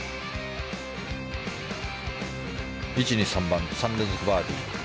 １、２、３番と３連続バーディー。